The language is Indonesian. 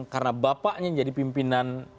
karena bapaknya jadi pimpinan